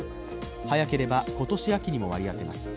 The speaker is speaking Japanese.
早ければ今年秋にも割り当てます。